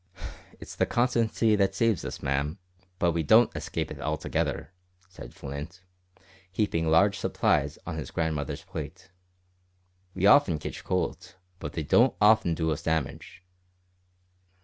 "It's the constancy as saves us, ma'am, but we don't escape altogether," said Flint, heaping large supplies on his grandmother's plate. "We often kitch colds, but they don't often do us damage."